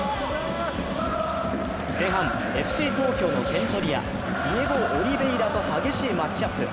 前半、ＦＣ東京の点取り屋ディエゴ・オリヴェイラと激しいマッチアップ。